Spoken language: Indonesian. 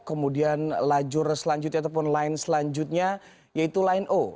kemudian lajur selanjutnya ataupun line selanjutnya yaitu line o